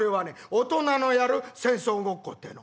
大人のやる戦争ごっこってえの」。